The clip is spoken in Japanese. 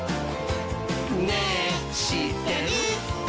「ねぇしってる？」